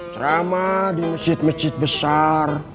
ceramah di masjid masjid besar